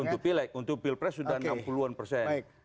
untuk pilek untuk pilpres sudah enam puluh an persen